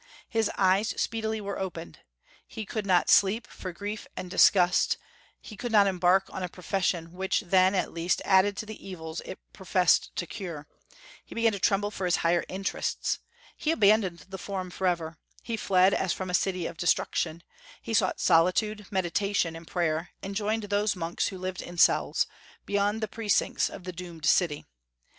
His eyes speedily were opened. He could not sleep, for grief and disgust; he could not embark on a profession which then, at least, added to the evils it professed to cure; he began to tremble for his higher interests; he abandoned the Forum forever; he fled as from a city of destruction; he sought solitude, meditation, and prayer, and joined those monks who lived in cells, beyond the precincts of the doomed city.